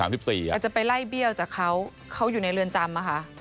จะไปไล่เบี้ยวจากเขาเขาอยู่ในเรือนจำนะคะ